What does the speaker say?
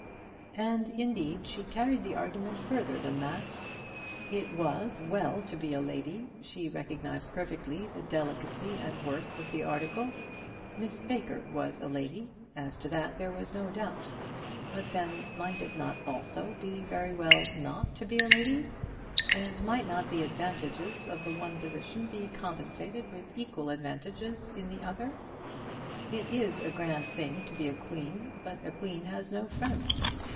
And, indeed, she carried the argument further than that. It was well to be a lady. She recognised perfectly the delicacy and worth of the article. Miss Baker was a lady; as to that there was no doubt. But, then, might it not also be very well not to be a lady; and might not the advantages of the one position be compensated with equal advantages in the other? It is a grand thing to be a queen; but a queen has no friends.